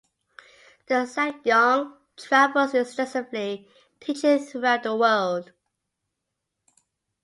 The Sakyong travels extensively, teaching throughout the world.